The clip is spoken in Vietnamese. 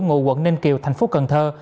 ngụ quận ninh kiều thành phố cần thơ